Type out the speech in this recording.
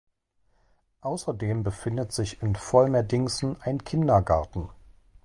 Außerdem befindet sich in Volmerdingsen ein Kindergarten.